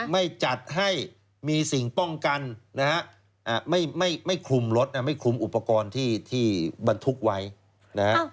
ไม่จัดให้มีสิ่งป้องกันนะฮะไม่คลุมรถไม่คลุมอุปกรณ์ที่บรรทุกไว้นะฮะ